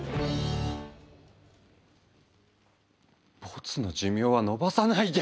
ボツの寿命は延ばさないで！